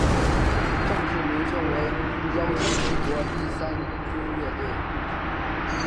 正式名称为妖精帝国第三军乐队。